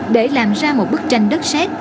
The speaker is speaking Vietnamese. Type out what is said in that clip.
để làm ra một bức tranh đất xét